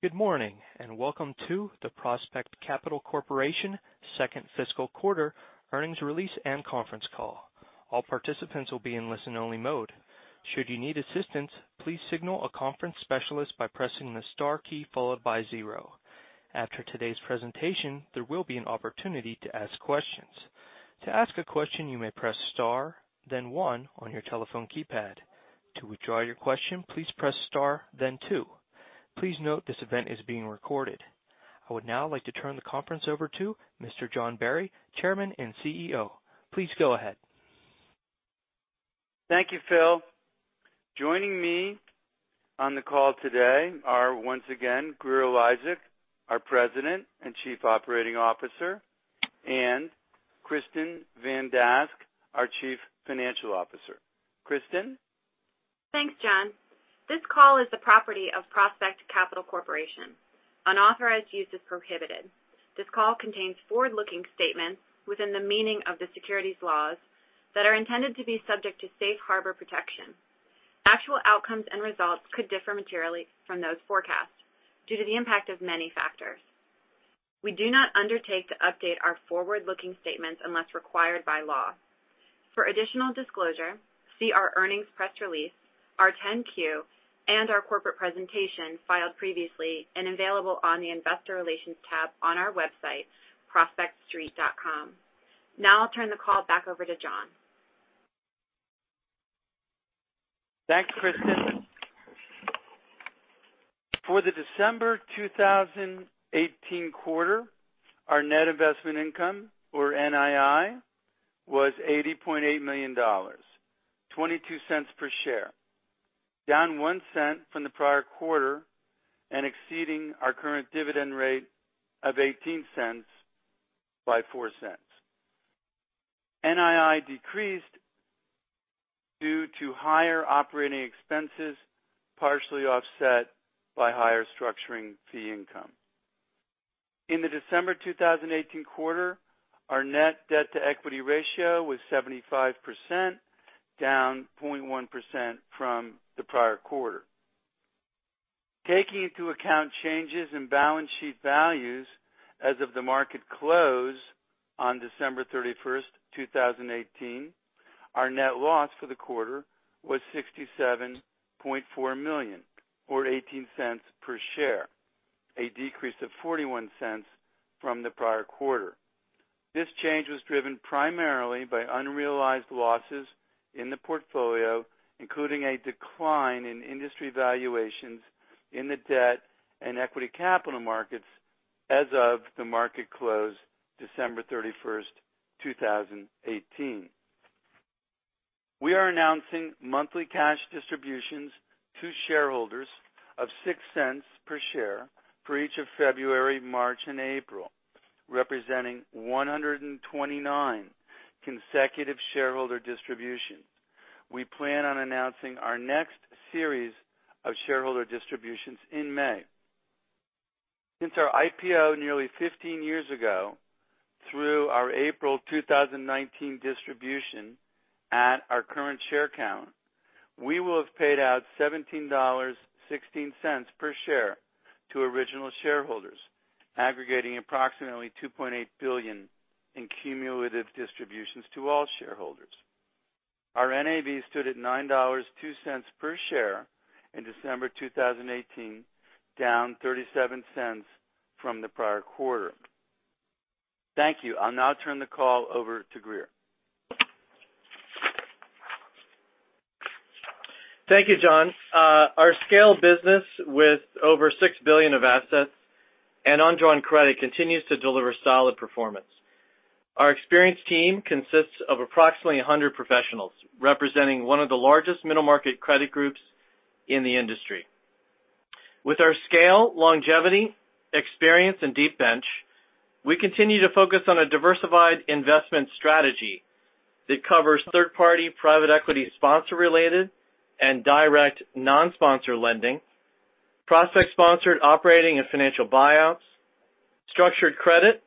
Good morning, and welcome to the Prospect Capital Corporation second fiscal quarter earnings release and conference call. All participants will be in listen only mode. Should you need assistance, please signal a conference specialist by pressing the star key followed by zero. After today's presentation, there will be an opportunity to ask questions. To ask a question, you may press star then one on your telephone keypad. To withdraw your question, please press star then two. Please note this event is being recorded. I would now like to turn the conference over to Mr. John Barry, Chairman and CEO. Please go ahead. Thank you, Phil. Joining me on the call today are, once again, Grier Eliasek, our President and Chief Operating Officer, and Kristin Van Dask, our Chief Financial Officer. Kristin? Thanks, John. This call is the property of Prospect Capital Corporation. Unauthorized use is prohibited. This call contains forward-looking statements within the meaning of the securities laws that are intended to be subject to Safe Harbor protection. Actual outcomes and results could differ materially from those forecasts due to the impact of many factors. We do not undertake to update our forward-looking statements unless required by law. For additional disclosure, see our earnings press release, our 10-Q, and our corporate presentation filed previously and available on the investor relations tab on our website, prospectstreet.com. I'll turn the call back over to John. Thanks, Kristin. For the December 2018 quarter, our net investment income, or NII, was $80.8 million, $0.22 per share, down $0.01 from the prior quarter and exceeding our current dividend rate of $0.18 by $0.04. NII decreased due to higher operating expenses, partially offset by higher structuring fee income. In the December 2018 quarter, our net debt-to-equity ratio was 75%, down 0.1% from the prior quarter. Taking into account changes in balance sheet values as of the market close on December 31st, 2018, our net loss for the quarter was $67.4 million, or $0.18 per share, a decrease of $0.41 from the prior quarter. This change was driven primarily by unrealized losses in the portfolio, including a decline in industry valuations in the debt and equity capital markets as of the market close December 31st, 2018. We are announcing monthly cash distributions to shareholders of $0.06 per share for each of February, March, and April, representing 129 consecutive shareholder distributions. We plan on announcing our next series of shareholder distributions in May. Since our IPO nearly 15 years ago, through our April 2019 distribution at our current share count, we will have paid out $17.16 per share to original shareholders, aggregating approximately $2.8 billion in cumulative distributions to all shareholders. Our NAV stood at $9.02 per share in December 2018, down $0.37 from the prior quarter. Thank you. I'll now turn the call over to Grier. Thank you, John. Our scale business with over $6 billion of assets and undrawn credit continues to deliver solid performance. Our experienced team consists of approximately 100 professionals, representing one of the largest middle-market credit groups in the industry. With our scale, longevity, experience, and deep bench, we continue to focus on a diversified investment strategy that covers third-party private equity sponsor-related and direct non-sponsor lending, Prospect-sponsored operating and financial buyouts, structured credit,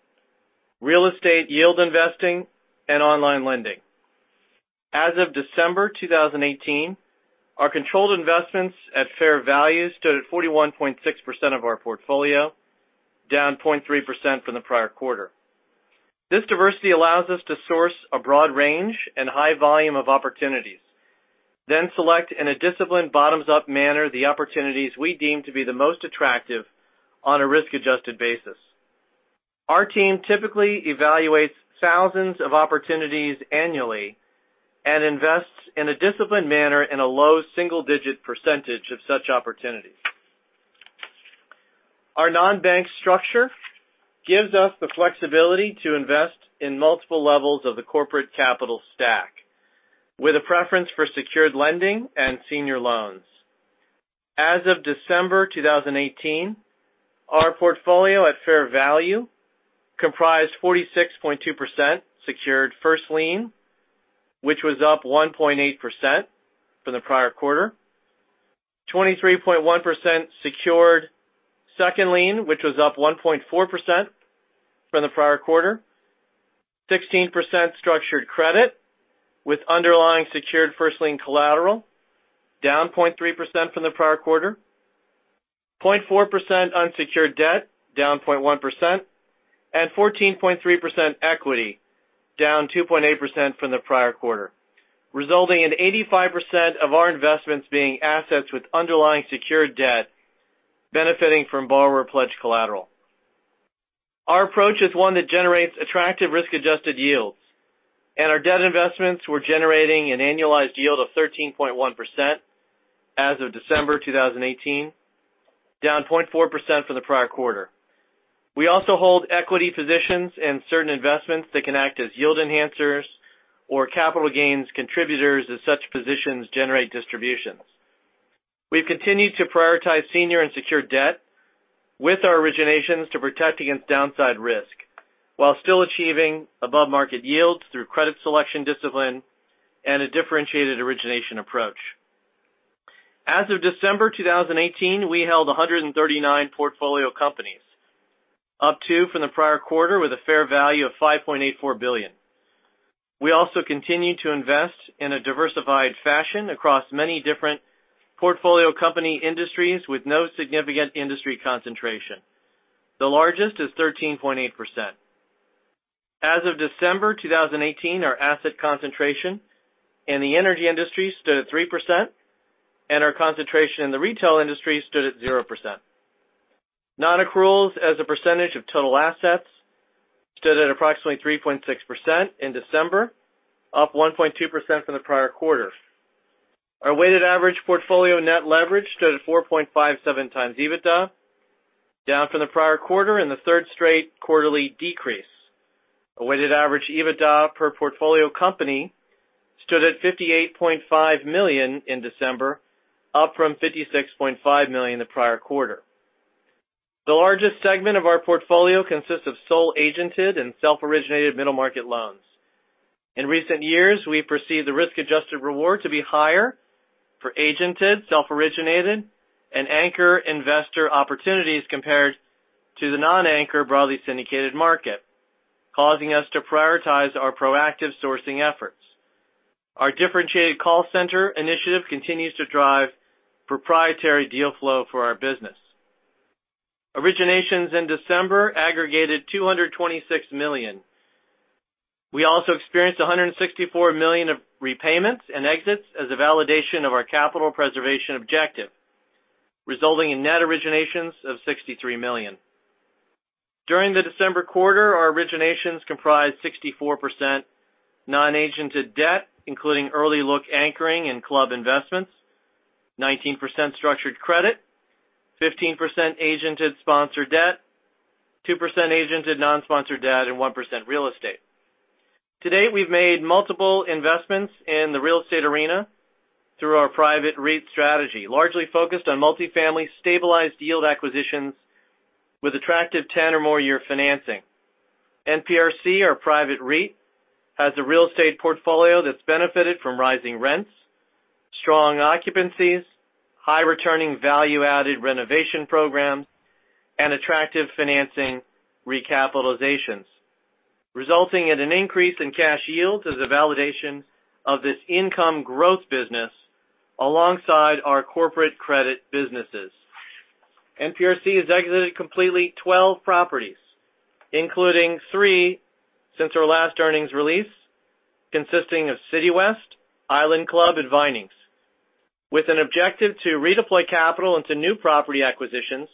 real estate yield investing, and online lending. As of December 2018, our controlled investments at fair value stood at 41.6% of our portfolio, down 0.3% from the prior quarter. This diversity allows us to source a broad range and high volume of opportunities, then select in a disciplined bottoms-up manner the opportunities we deem to be the most attractive on a risk-adjusted basis. Our team typically evaluates thousands of opportunities annually and invests in a disciplined manner in a low single-digit percentage of such opportunities. Our non-bank structure gives us the flexibility to invest in multiple levels of the corporate capital stack with a preference for secured lending and senior loans. As of December 2018, our portfolio at fair value comprised 46.2% secured first lien, which was up 1.8% from the prior quarter. 23.1% secured second lien, which was up 1.4% from the prior quarter. 16% structured credit with underlying secured first lien collateral, down 0.3% from the prior quarter. 0.4% unsecured debt, down 0.1%, and 14.3% equity, down 2.8% from the prior quarter, resulting in 85% of our investments being assets with underlying secured debt benefiting from borrower pledged collateral. Our approach is one that generates attractive risk-adjusted yields, and our debt investments were generating an annualized yield of 13.1% as of December 2018, down 0.4% from the prior quarter. We also hold equity positions in certain investments that can act as yield enhancers or capital gains contributors as such positions generate distributions. We've continued to prioritize senior and secured debt with our originations to protect against downside risk, while still achieving above-market yields through credit selection discipline and a differentiated origination approach. As of December 2018, we held 139 portfolio companies, up two from the prior quarter, with a fair value of $5.84 billion. We also continue to invest in a diversified fashion across many different portfolio company industries with no significant industry concentration. The largest is 13.8%. As of December 2018, our asset concentration in the energy industry stood at 3%, and our concentration in the retail industry stood at 0%. Non-accruals as a percentage of total assets stood at approximately 3.6% in December, up 1.2% from the prior quarter. Our weighted average portfolio net leverage stood at 4.57x EBITDA, down from the prior quarter in the third straight quarterly decrease. A weighted average EBITDA per portfolio company stood at $58.5 million in December, up from $56.5 million the prior quarter. The largest segment of our portfolio consists of sole-agented and self-originated middle market loans. In recent years, we perceive the risk-adjusted reward to be higher for agented, self-originated, and anchor investor opportunities compared to the non-anchor broadly syndicated market, causing us to prioritize our proactive sourcing efforts. Our differentiated call center initiative continues to drive proprietary deal flow for our business. Originations in December aggregated $226 million. We also experienced $164 million of repayments and exits as a validation of our capital preservation objective, resulting in net originations of $63 million. During the December quarter, our originations comprised 64% non-agented debt, including early look anchoring and club investments, 19% structured credit, 15% agented sponsored debt, 2% agented non-sponsored debt, and 1% real estate. To date, we've made multiple investments in the real estate arena through our private REIT strategy, largely focused on multi-family stabilized yield acquisitions with attractive 10 or more year financing. NPRC, our private REIT, has a real estate portfolio that's benefited from rising rents, strong occupancies, high returning value-added renovation programs, and attractive financing recapitalizations, resulting in an increase in cash yields as a validation of this income growth business alongside our corporate credit businesses. NPRC has exited completely 12 properties, including three since our last earnings release, consisting of Citywest, Island Club, and Vinings. With an objective to redeploy capital into new property acquisitions,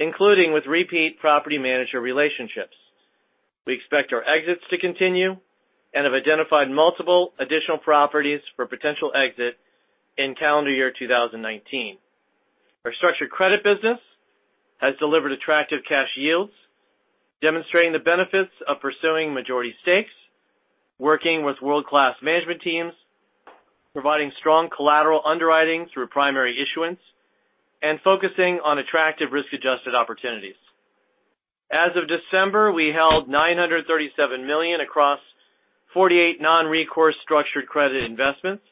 including with repeat property manager relationships. We expect our exits to continue and have identified multiple additional properties for potential exit in calendar year 2019. Our structured credit business has delivered attractive cash yields, demonstrating the benefits of pursuing majority stakes, working with world-class management teams, providing strong collateral underwriting through primary issuance, and focusing on attractive risk-adjusted opportunities. As of December, we held $937 million across 48 non-recourse structured credit investments,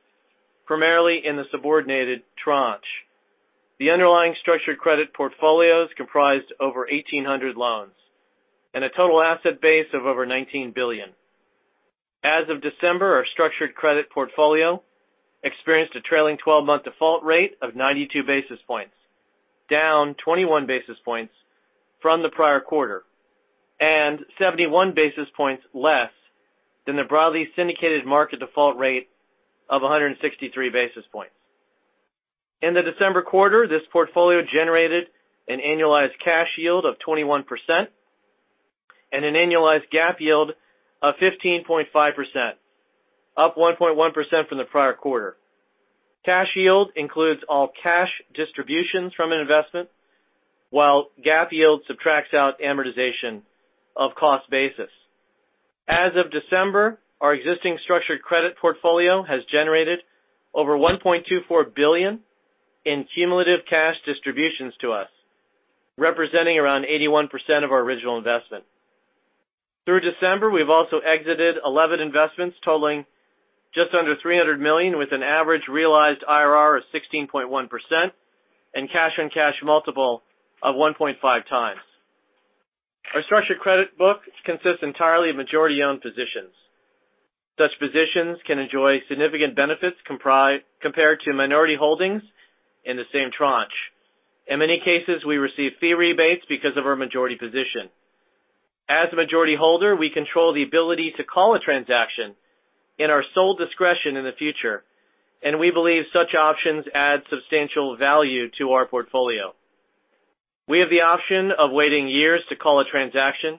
primarily in the subordinated tranche. The underlying structured credit portfolios comprised over 1,800 loans and a total asset base of over $19 billion. As of December, our structured credit portfolio experienced a trailing 12-month default rate of 92 basis points, down 21 basis points from the prior quarter, and 71 basis points less than the broadly syndicated market default rate of 163 basis points. In the December quarter, this portfolio generated an annualized cash yield of 21% and an annualized GAAP yield of 15.5%, up 1.1% from the prior quarter. Cash yield includes all cash distributions from an investment, while GAAP yield subtracts out amortization of cost basis. As of December, our existing structured credit portfolio has generated over $1.24 billion in cumulative cash distributions to us, representing around 81% of our original investment. Through December, we've also exited 11 investments totaling just under $300 million with an average realized IRR of 16.1% and cash-on-cash multiple of 1.5x. Our structured credit book consists entirely of majority-owned positions. Such positions can enjoy significant benefits compared to minority holdings in the same tranche. In many cases, we receive fee rebates because of our majority position. As the majority holder, we control the ability to call a transaction in our sole discretion in the future, and we believe such options add substantial value to our portfolio. We have the option of waiting years to call a transaction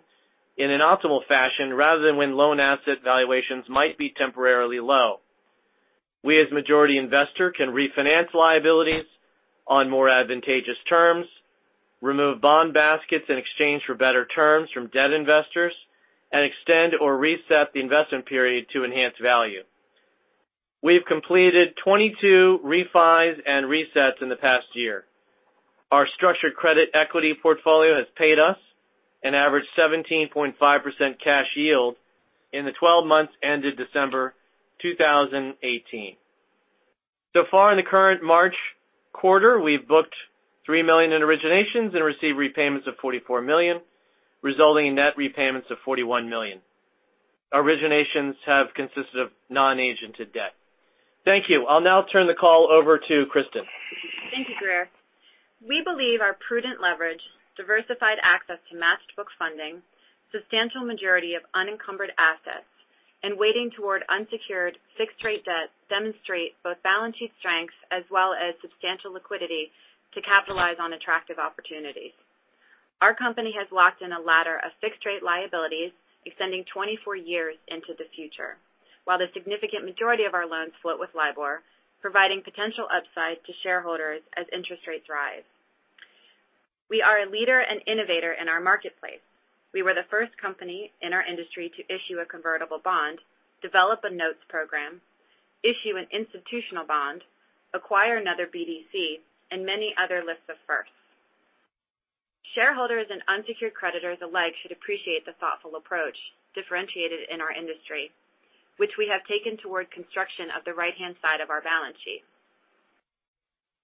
in an optimal fashion, rather than when loan asset valuations might be temporarily low. We, as majority investor, can refinance liabilities on more advantageous terms, remove bond baskets in exchange for better terms from debt investors, and extend or reset the investment period to enhance value. We've completed 22 refis and resets in the past year. Our structured credit equity portfolio has paid us an average 17.5% cash yield in the 12 months ended December 2018. Far in the current March quarter, we've booked $3 million in originations and received repayments of $44 million, resulting in net repayments of $41 million. Our originations have consisted of non-agented debt. Thank you. I'll now turn the call over to Kristin. Thank you, Grier. We believe our prudent leverage, diversified access to matched book funding, substantial majority of unencumbered assets, and weighting toward unsecured fixed-rate debt demonstrate both balance sheet strengths as well as substantial liquidity to capitalize on attractive opportunities. Our company has locked in a ladder of fixed-rate liabilities extending 24 years into the future, while the significant majority of our loans float with LIBOR, providing potential upside to shareholders as interest rates rise. We are a leader and innovator in our marketplace. We were the first company in our industry to issue a convertible bond, develop a notes program, issue an institutional bond, acquire another BDC, and many other lists of firsts. Shareholders and unsecured creditors alike should appreciate the thoughtful approach differentiated in our industry, which we have taken toward construction of the right-hand side of our balance sheet.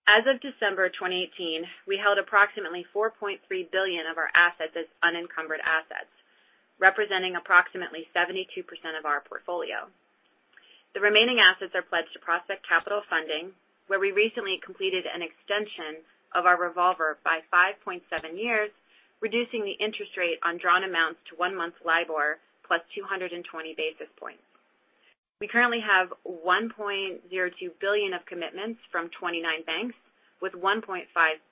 As of December 2018, we held approximately $4.3 billion of our assets as unencumbered assets, representing approximately 72% of our portfolio. The remaining assets are pledged to Prospect Capital Funding, where we recently completed an extension of our revolver by 5.7 years, reducing the interest rate on drawn amounts to 1-month LIBOR +220 basis points. We currently have $1.02 billion of commitments from 29 banks, with $1.5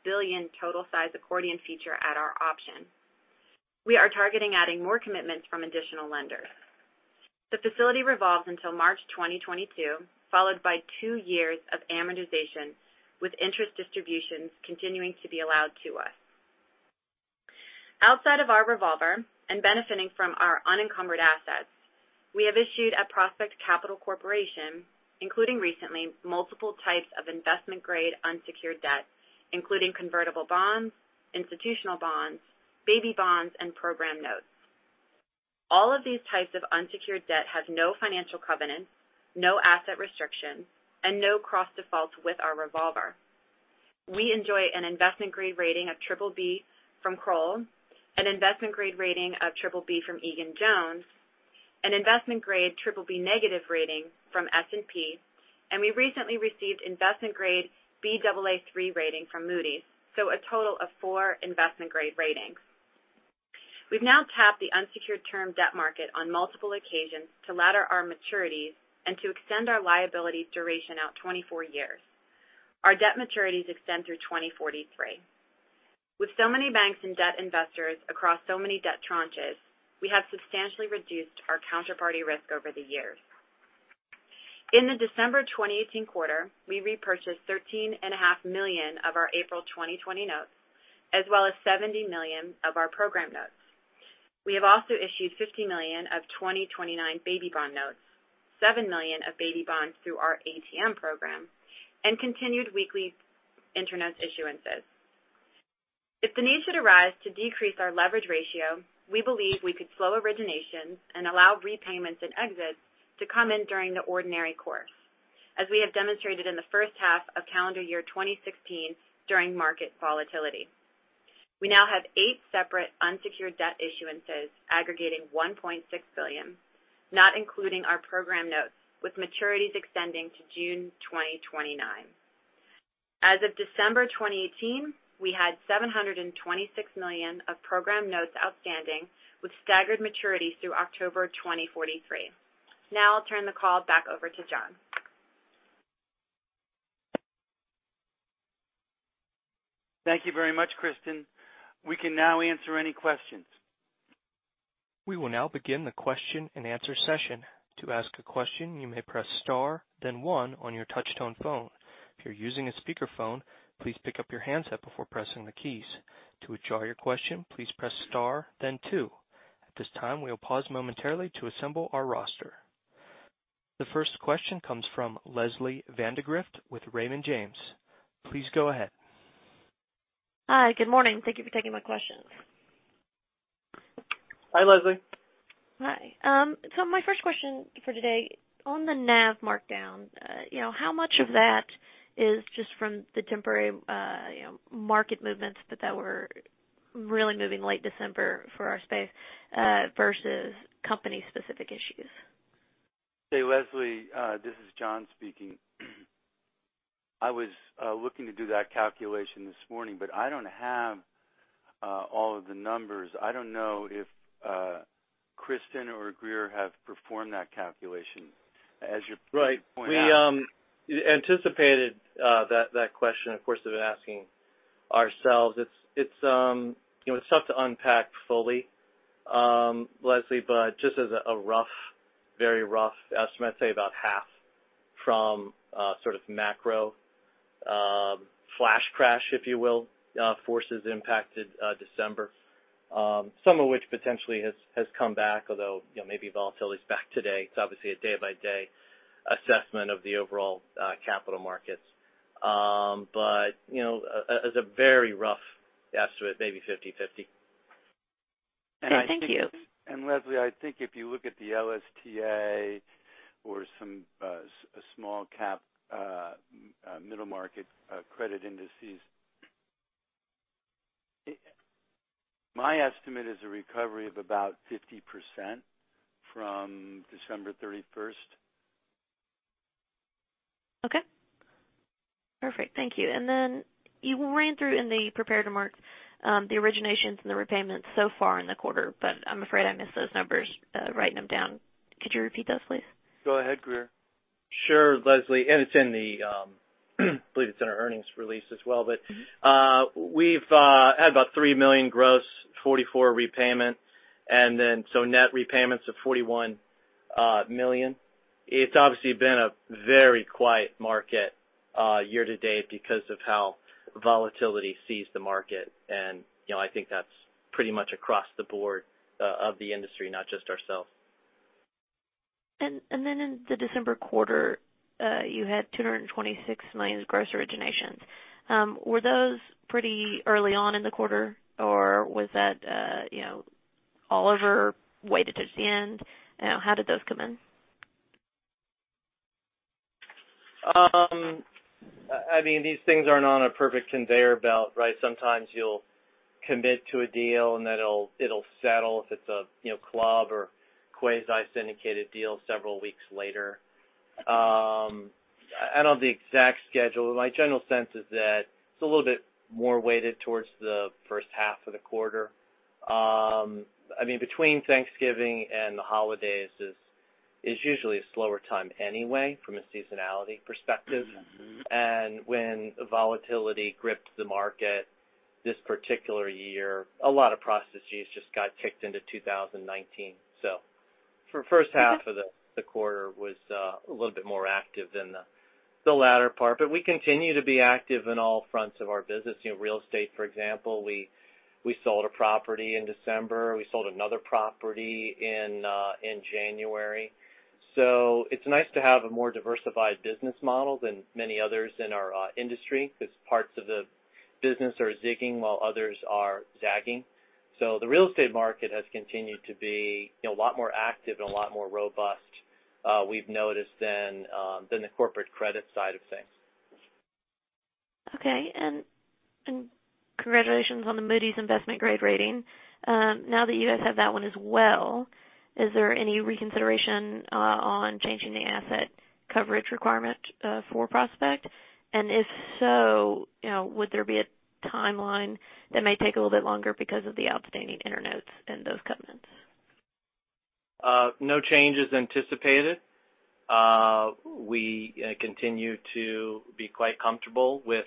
billion total size accordion feature at our option. We are targeting adding more commitments from additional lenders. The facility revolves until March 2022, followed by 2 years of amortization, with interest distributions continuing to be allowed to us. Outside of our revolver and benefiting from our unencumbered assets, we have issued a Prospect Capital Corporation, including recently, multiple types of investment-grade unsecured debt, including convertible bonds, institutional bonds, baby bonds, and program notes. All of these types of unsecured debt have no financial covenants, no asset restrictions, and no cross defaults with our revolver. We enjoy an investment-grade rating of BBB from Kroll, an investment-grade rating of BBB from Egan-Jones, an investment-grade BBB negative rating from S&P, and we recently received investment-grade Baa3 rating from Moody's. A total of four investment-grade ratings. We've now tapped the unsecured term debt market on multiple occasions to ladder our maturities and to extend our liabilities duration out 24 years. Our debt maturities extend through 2043. With so many banks and debt investors across so many debt tranches, we have substantially reduced our counterparty risk over the years. In the December 2018 quarter, we repurchased $13.5 million of our April 2020 notes, as well as $70 million of our program notes. We have also issued $50 million of 2029 baby bond notes, $7 million of baby bonds through our ATM program, and continued weekly internet issuances. If the need should arise to decrease our leverage ratio, we believe we could slow originations and allow repayments and exits to come in during the ordinary course, as we have demonstrated in the first half of calendar year 2016 during market volatility. We now have eight separate unsecured debt issuances aggregating $1.6 billion, not including our program notes, with maturities extending to June 2029. As of December 2018, we had $726 million of program notes outstanding with staggered maturities through October 2043. I'll turn the call back over to John. Thank you very much, Kristin. We can now answer any questions. We will now begin the question and answer session. To ask a question, you may press star then one on your touchtone phone. If you're using a speakerphone, please pick up your handset before pressing the keys. To withdraw your question, please press star then two. At this time, we will pause momentarily to assemble our roster. The first question comes from Leslie Vandegrift with Raymond James. Please go ahead. Hi. Good morning. Thank you for taking my question. Hi, Leslie. Hi. My first question for today, on the NAV markdown, how much of that is just from the temporary market movements that were really moving late December for our space versus company specific issues? Hey, Leslie, this is John speaking. I was looking to do that calculation this morning, but I don't have all of the numbers. I don't know if Kristin or Grier have performed that calculation. As you point out. Right. We anticipated that question, of course, have been asking ourselves. It's tough to unpack fully, Leslie, but just as a very rough estimate, I'd say about half from sort of macro flash crash, if you will, forces impacted December. Some of which potentially has come back, although, maybe volatility's back today. It's obviously a day-by-day assessment of the overall capital markets. But as a very rough estimate, maybe 50/50. Okay. Thank you. Leslie, I think if you look at the LSTA or some small cap middle market credit indices, my estimate is a recovery of about 50% from December 31st. Okay. Perfect. Thank you. Then you ran through in the prepared remarks, the originations and the repayments so far in the quarter, but I'm afraid I missed those numbers writing them down. Could you repeat those, please? Go ahead, Grier. Sure, Leslie. I believe it's in our earnings release as well. We've had about $3 million gross, 44 repayments, net repayments of $41 million. It's obviously been a very quiet market year-to-date because of how volatility seized the market. I think that's pretty much across the board of the industry, not just ourselves. In the December quarter, you had $226 million gross originations. Were those pretty early on in the quarter, or was that all of your weightage at the end? How did those come in? These things aren't on a perfect conveyor belt, right? Sometimes you'll commit to a deal, and then it'll settle if it's a club or quasi syndicated deal several weeks later. I don't know the exact schedule. My general sense is that it's a little bit more weighted towards the first half of the quarter. Between Thanksgiving and the holidays is usually a slower time anyway from a seasonality perspective. When volatility grips the market this particular year, a lot of processes just got kicked into 2019. For first half of the quarter was a little bit more active than the latter part. We continue to be active in all fronts of our business. Real estate, for example, we sold a property in December. We sold another property in January. It's nice to have a more diversified business model than many others in our industry, because parts of the business are zigging while others are zagging. The real estate market has continued to be a lot more active and a lot more robust, we've noticed than the corporate credit side of things. Okay. Congratulations on the Moody's investment grade rating. Now that you guys have that one as well, is there any reconsideration on changing the asset coverage requirement for Prospect? If so, would there be a timeline that may take a little bit longer because of the outstanding internotes and those covenants? No changes anticipated. We continue to be quite comfortable with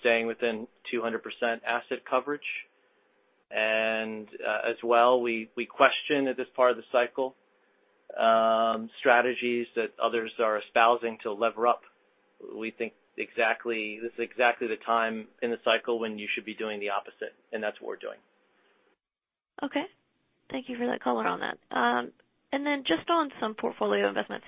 staying within 200% asset coverage. As well, we question at this part of the cycle, strategies that others are espousing to lever up. We think this is exactly the time in the cycle when you should be doing the opposite, and that's what we're doing. Okay. Thank you for that color on that. Just on some portfolio investments,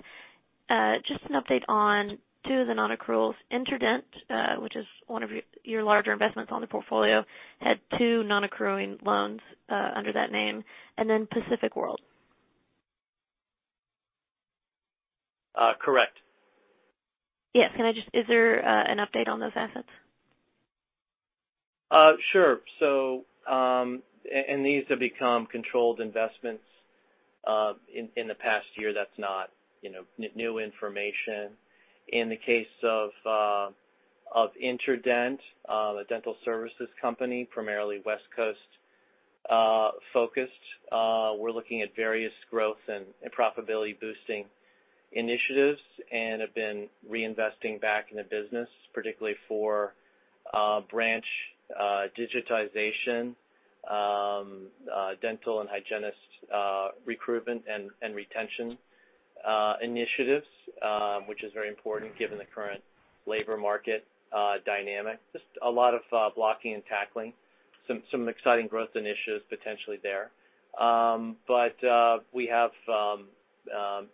just an update on two of the non-accruals, InterDent, which is one of your larger investments on the portfolio, had two non-accruing loans, under that name, and then Pacific World. Correct. Yes. Is there an update on those assets? Sure. These have become controlled investments, in the past year. That's not new information. In the case of InterDent, a dental services company, primarily West Coast focused. We're looking at various growth and profitability boosting initiatives and have been reinvesting back in the business, particularly for branch digitization, dental and hygienist recruitment and retention initiatives, which is very important given the current labor market dynamic. Just a lot of blocking and tackling. Some exciting growth initiatives potentially there. But we have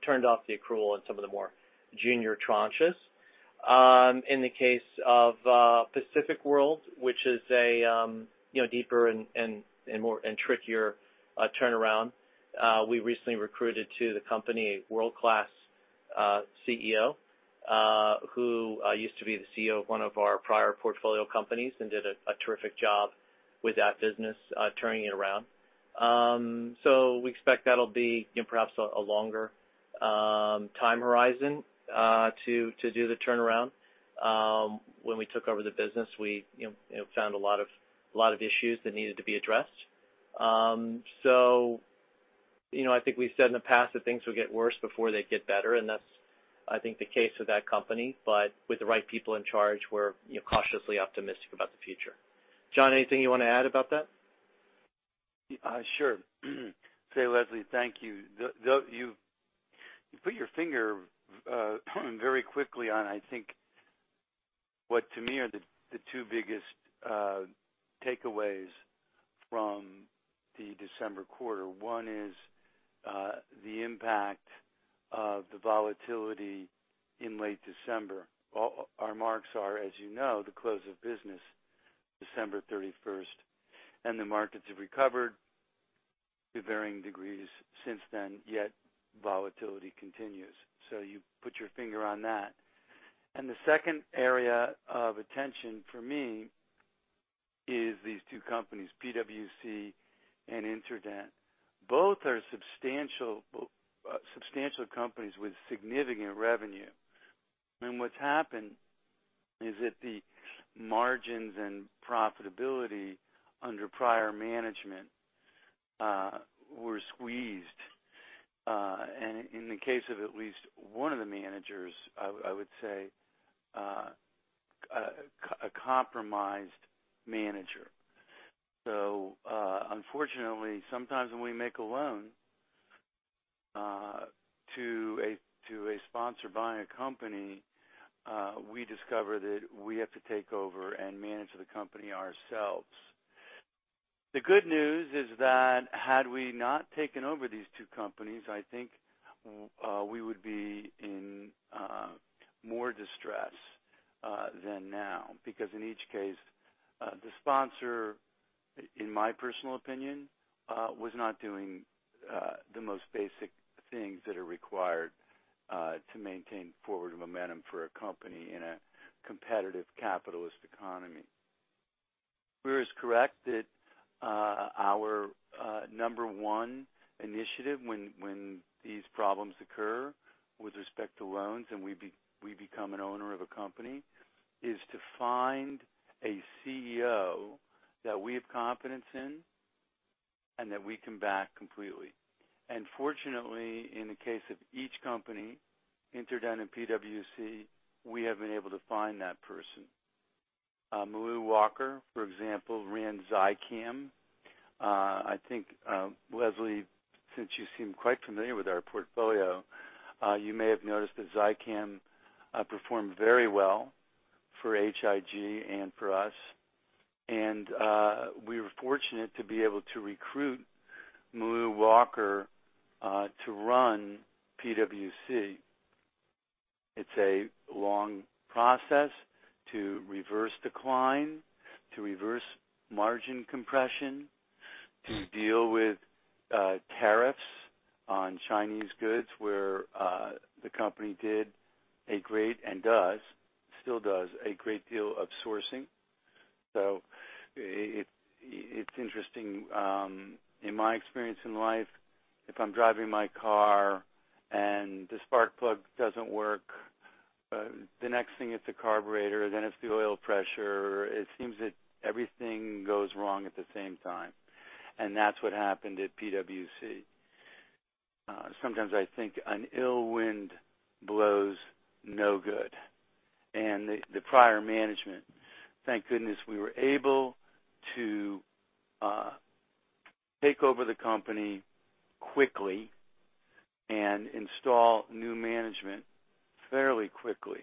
turned off the accrual on some of the more junior tranches. In the case of Pacific World, which is a deeper and trickier turnaround, we recently recruited to the company a world-class CEO, who used to be the CEO of one of our prior portfolio companies and did a terrific job with that business, turning it around. We expect that'll be perhaps a longer time horizon to do the turnaround. When we took over the business, we found a lot of issues that needed to be addressed. I think we've said in the past that things will get worse before they get better, and that's, I think, the case with that company. With the right people in charge, we're cautiously optimistic about the future. John, anything you want to add about that? Sure. Say, Leslie, thank you. You put your finger very quickly on, I think, what to me are the two biggest takeaways from the December quarter. One is the impact of the volatility in late December. Our marks are, as you know, the close of business, December 31st, and the markets have recovered to varying degrees since then, yet volatility continues. You put your finger on that. The second area of attention for me is these two companies, PWC and InterDent. Both are substantial companies with significant revenue. What's happened is that the margins and profitability under prior management were squeezed. In the case of at least one of the managers, I would say, a compromised manager. Unfortunately, sometimes when we make a loan, to a sponsor buying a company, we discover that we have to take over and manage the company ourselves. The good news is that had we not taken over these two companies, I think we would be in more distress than now, because in each case, the sponsor, in my personal opinion, was not doing the most basic things that are required to maintain forward momentum for a company in a competitive capitalist economy. We were as correct that our number one initiative when these problems occur with respect to loans and we become an owner of a company, is to find a CEO that we have confidence in and that we can back completely. Fortunately, in the case of each company, InterDent and PWC, we have been able to find that person. M'lou Walker, for example, ran Zicam. I think, Leslie, since you seem quite familiar with our portfolio, you may have noticed that Zicam performed very well for H.I.G. and for us. We were fortunate to be able to recruit M'lou Walker to run PWC. It's a long process to reverse decline, to reverse margin compression, to deal with tariffs on Chinese goods, where the company did a great, and does, still does a great deal of sourcing. It's interesting. In my experience in life, if I'm driving my car and the spark plug doesn't work, the next thing, it's a carburetor, then it's the oil pressure. It seems that everything goes wrong at the same time, and that's what happened at PWC. Sometimes I think an ill wind blows no good. The prior management, thank goodness, we were able to take over the company quickly and install new management fairly quickly,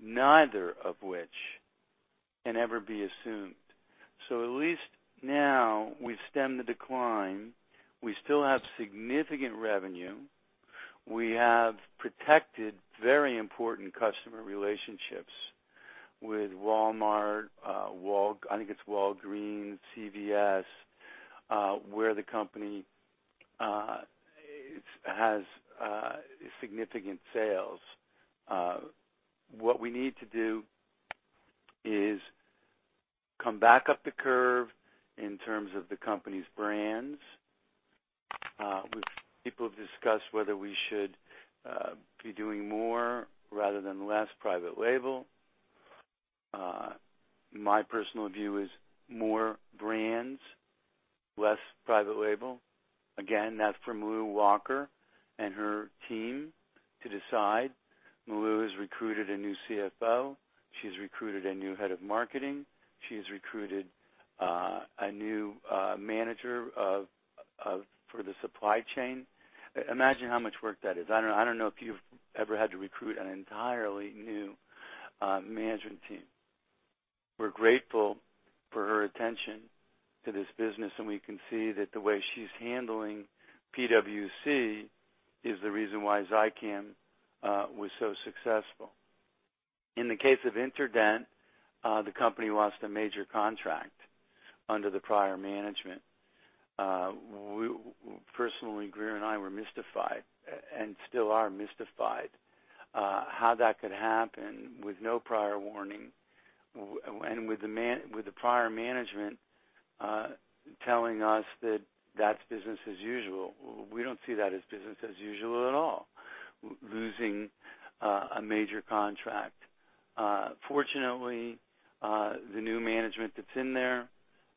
neither of which can ever be assumed. At least now we've stemmed the decline. We still have significant revenue. We have protected very important customer relationships with Walmart, I think it's Walgreens, CVS, where the company has significant sales. What we need to do is come back up the curve in terms of the company's brands. People have discussed whether we should be doing more rather than less private label. My personal view is more brands, less private label. Again, that's for M'lou Walker and her team to decide. M'lou has recruited a new CFO. She's recruited a new head of marketing. She has recruited a new manager for the supply chain. Imagine how much work that is. I don't know if you've ever had to recruit an entirely new management team. We're grateful for her attention to this business, we can see that the way she's handling PWC is the reason why Zicam was so successful. In the case of InterDent, the company lost a major contract under the prior management. Personally, Grier and I were mystified, still are mystified, how that could happen with no prior warning, with the prior management telling us that that's business as usual. We don't see that as business as usual at all, losing a major contract. Fortunately, the new management that's in there,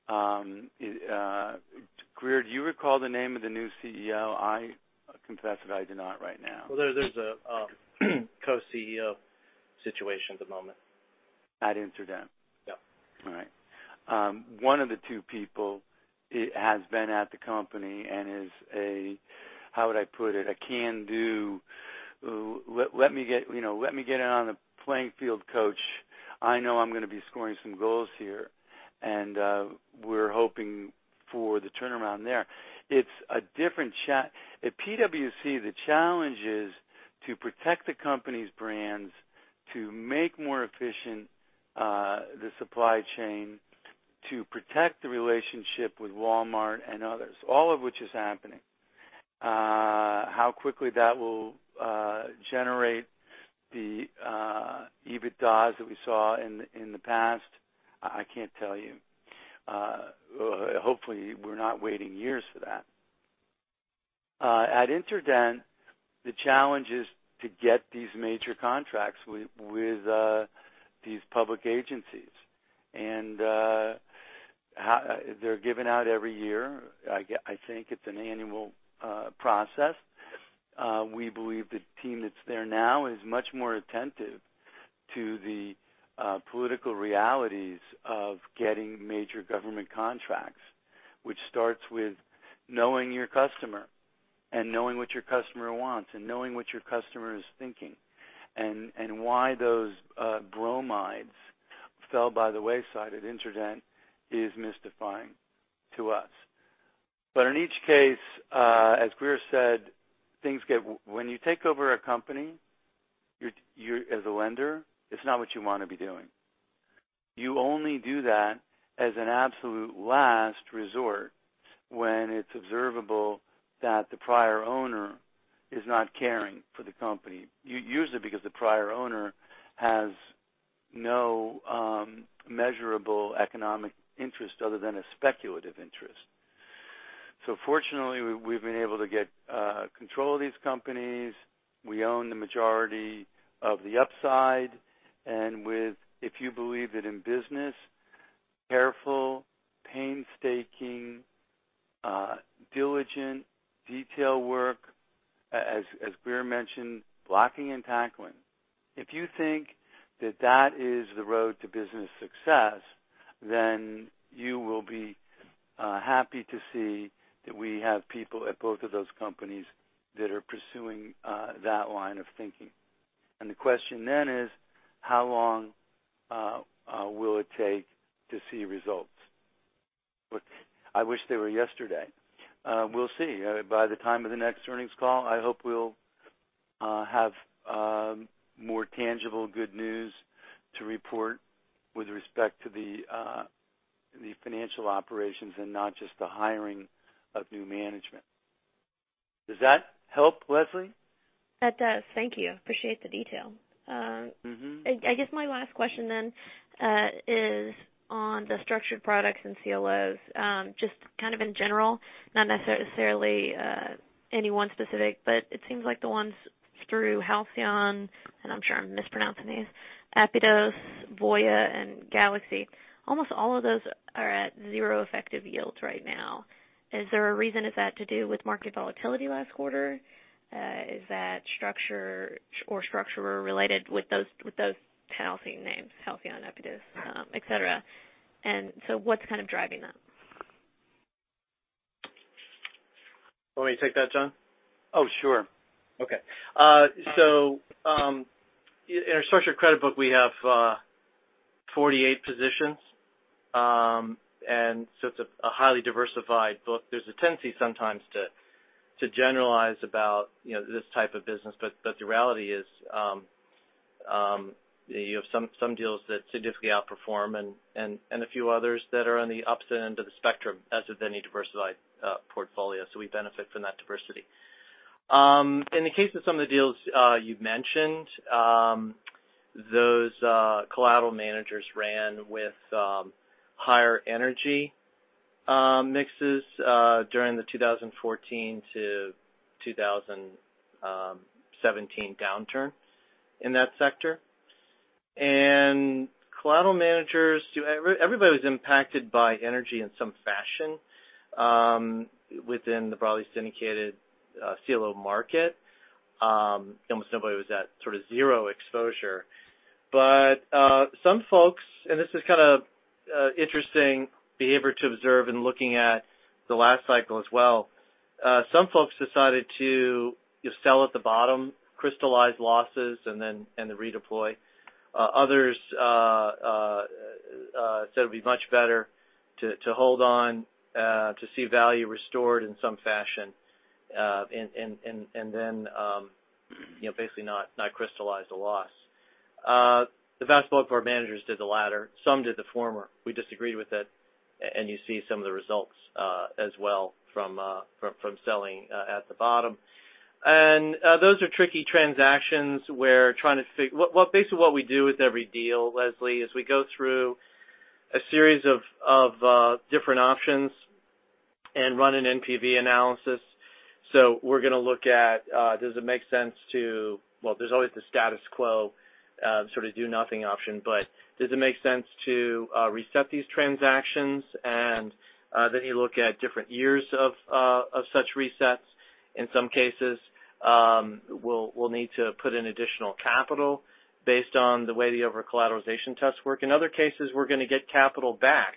Grier, do you recall the name of the new CEO? I confess that I do not right now. Well, there's a co-CEO situation at the moment. At InterDent? Yep. All right. One of the two people has been at the company and is a, how would I put it? A can-do, let me get in on the playing field, coach. I know I'm going to be scoring some goals here. We're hoping for the turnaround there. At PWC, the challenge is to protect the company's brands, to make more efficient the supply chain, to protect the relationship with Walmart and others. All of which is happening. How quickly that will generate the EBITDAs that we saw in the past, I can't tell you. Hopefully, we're not waiting years for that. At InterDent, the challenge is to get these major contracts with these public agencies, and they're given out every year. I think it's an annual process. We believe the team that's there now is much more attentive to the political realities of getting major government contracts, which starts with knowing your customer, knowing what your customer wants, knowing what your customer is thinking. Why those bromides fell by the wayside at InterDent is mystifying to us. In each case, as Grier said, when you take over a company as a lender, it's not what you want to be doing. You only do that as an absolute last resort when it's observable that the prior owner is not caring for the company. Usually because the prior owner has no measurable economic interest other than a speculative interest. Fortunately, we've been able to get control of these companies. We own the majority of the upside, and if you believe that in business, careful, painstaking, diligent detail work, as Grier mentioned, blocking and tackling. If you think that that is the road to business success, then you will be happy to see that we have people at both of those companies that are pursuing that line of thinking. The question then is: how long will it take to see results? Look, I wish they were yesterday. We'll see. By the time of the next earnings call, I hope we'll have more tangible good news to report with respect to the financial operations and not just the hiring of new management. Does that help, Leslie? That does. Thank you. Appreciate the detail. I guess my last question then is on the structured products and CLOs, just kind of in general, not necessarily any one specific. It seems like the ones through Halcyon, and I'm sure I'm mispronouncing these, Apidos, Voya, and Galaxy, almost all of those are at zero effective yields right now. Is there a reason? Is that to do with market volatility last quarter? Is that structure or structurer related with those Halcyon names, Halcyon, Apidos, et cetera? What's kind of driving that? You want me to take that, John? Oh, sure. Okay. In our structured credit book, we have 48 positions. It's a highly diversified book. There's a tendency sometimes to generalize about this type of business. The reality is, you have some deals that significantly outperform and a few others that are on the opposite end of the spectrum, as with any diversified portfolio. We benefit from that diversity. In the case of some of the deals you've mentioned, those collateral managers ran with higher energy mixes during the 2014-2017 downturn in that sector. Everybody was impacted by energy in some fashion within the broadly syndicated CLO market. Almost nobody was at sort of zero exposure. Some folks, and this is kind of interesting behavior to observe in looking at the last cycle as well. Some folks decided to sell at the bottom, crystallize losses, and then redeploy. Others said it'd be much better to hold on to see value restored in some fashion and not crystallize the loss. The vast bulk of our managers did the latter. Some did the former. We disagreed with it. You see some of the results as well from selling at the bottom. Those are tricky transactions. Basically what we do with every deal, Leslie, is we go through a series of different options and run an NPV analysis. We're going to look at does it make sense to There's always the status quo sort of do nothing option. Does it make sense to reset these transactions? You look at different years of such resets. In some cases, we'll need to put in additional capital based on the way the over-collateralization tests work. In other cases, we're going to get capital back.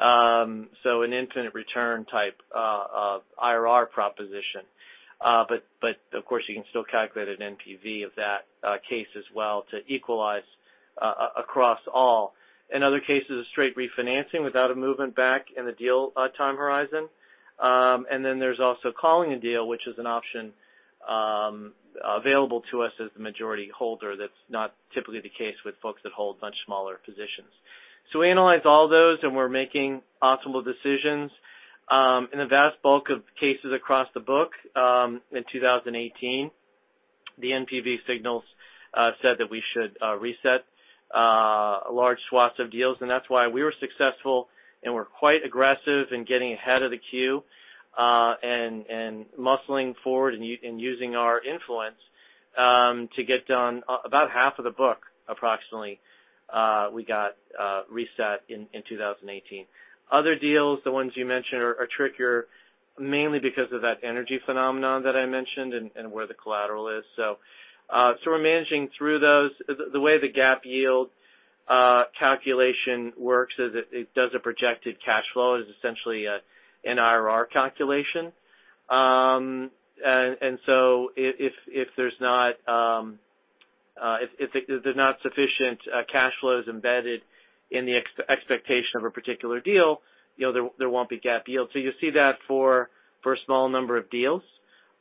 An infinite return type of IRR proposition. Of course, you can still calculate an NPV of that case as well to equalize across all. In other cases, a straight refinancing without a movement back in the deal time horizon. There's also calling a deal, which is an option available to us as the majority holder. That's not typically the case with folks that hold much smaller positions. We analyze all those, and we're making optimal decisions. In the vast bulk of cases across the book in 2018, the NPV signals said that we should reset large swaths of deals. That's why we were successful and were quite aggressive in getting ahead of the queue and muscling forward and using our influence to get done about half of the book, approximately, we got reset in 2018. Other deals, the ones you mentioned, are trickier mainly because of that energy phenomenon that I mentioned and where the collateral is. We're managing through those. The way the GAAP yield calculation works is that it does a projected Cash Flow. It's essentially an IRR calculation. If there's not sufficient Cash Flows embedded in the expectation of a particular deal, there won't be GAAP yield. You'll see that for a small number of deals.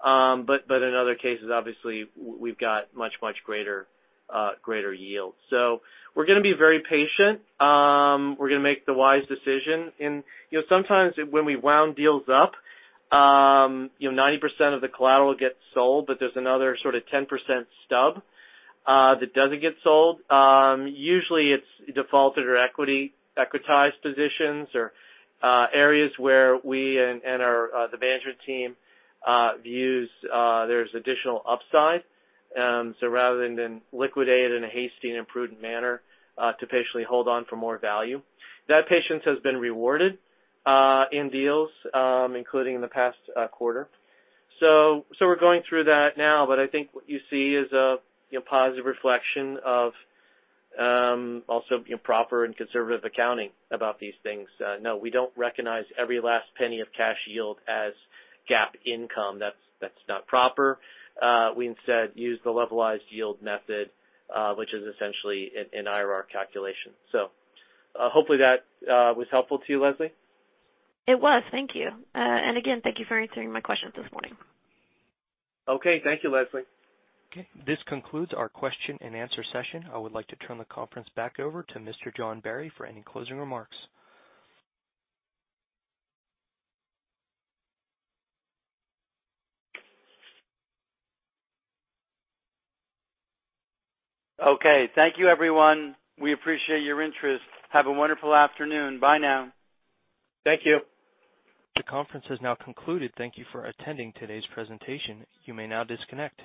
In other cases, obviously, we've got much, much greater yield. We're going to be very patient. We're going to make the wise decision. Sometimes when we wound deals up, 90% of the collateral gets sold, but there's another sort of 10% stub that doesn't get sold. Usually it's defaulted or equitized positions or areas where we and the management team views there's additional upside. Rather than liquidate it in a hasty, imprudent manner to patiently hold on for more value. That patience has been rewarded in deals including in the past quarter. We're going through that now. I think what you see is a positive reflection of also proper and conservative accounting about these things. No, we don't recognize every last penny of cash yield as GAAP income. That's not proper. We instead use the levelized yield method which is essentially an IRR calculation. Hopefully that was helpful to you, Leslie. It was. Thank you. Again, thank you for answering my questions this morning. Okay. Thank you, Leslie. Okay. This concludes our question and answer session. I would like to turn the conference back over to Mr. John Barry for any closing remarks. Okay. Thank you, everyone. We appreciate your interest. Have a wonderful afternoon. Bye now. Thank you. The conference has now concluded. Thank you for attending today's presentation. You may now disconnect.